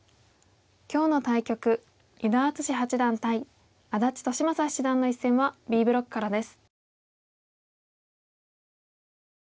今日の対局伊田篤史八段対安達利昌七段の一戦はＢブロックからです。